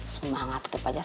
semangat tetep aja